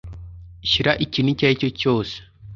shyira ikintu icyo ari cyo cyose